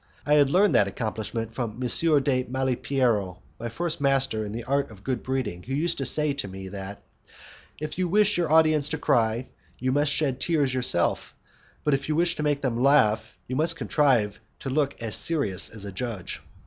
I had learnt that accomplishment from M. de Malipiero, my first master in the art of good breeding, who used to say to me, "If you wish your audience to cry, you must shed tears yourself, but if you wish to make them laugh you must contrive to look as serious as a judge."